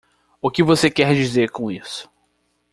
O que você quer dizer com isso?